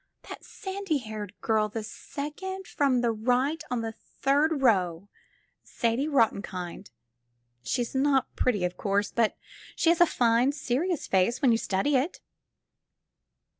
That sandy haited girl, the second from the right on the third row — Sadie Rautenkind. She's not pretty, of course, but she has a fine, serious face, when you study it."